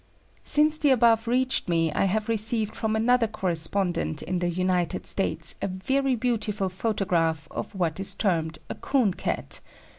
Since the above reached me, I have received from another correspondent in the United States a very beautiful photograph of what is termed a "Coon" Cat.